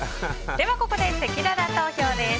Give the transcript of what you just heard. ここでせきらら投票です。